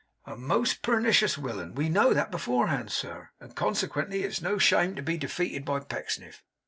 'A most pernicious willain. We know that beforehand, sir; and, consequently, it's no shame to be defeated by Pecksniff.